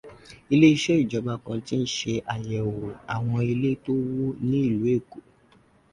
Iléeṣẹ́ ìjọba kan ti ń ṣàyẹ̀wò àwọn ilé to wọ́ ní ìlú Èkó.